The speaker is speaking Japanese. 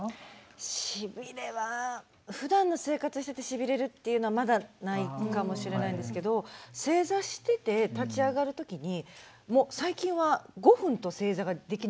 しびれはふだんの生活しててしびれるっていうのはまだないかもしれないんですけど正座してて立ち上がるときに最近は５分と正座ができなくなってきてるんですよ。